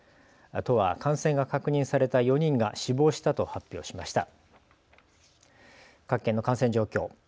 都は感染が確認された４人が死亡したと発表しました。